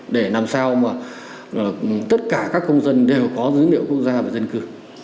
để làm sao mà tất cả các công dân đều có dữ liệu quốc gia về dân cư